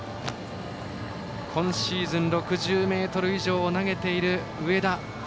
今シーズン６０ｍ以上を投げている上田。